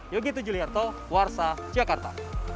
yogi tujuliarto warsa jakarta